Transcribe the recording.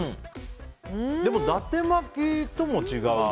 でも伊達巻きとも違う。